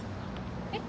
えっ？